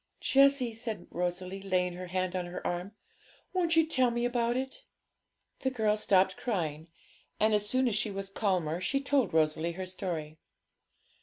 'Jessie,' said Rosalie, laying her hand on her arm, 'won't you tell me about it?' The girl stopped crying, and as soon as she was calmer, she told Rosalie her story.